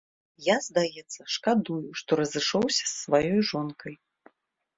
Я, здаецца, шкадую, што разышоўся з сваёю жонкай.